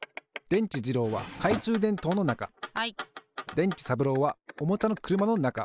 でんちさぶろうはおもちゃのくるまのなか。